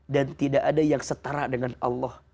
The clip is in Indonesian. dan tidak ada yang setara dengan allah